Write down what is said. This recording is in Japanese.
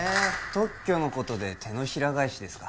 特許のことで手のひら返しですか